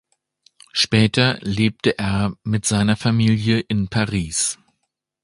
Später lebte er mit seiner Familie in Paris.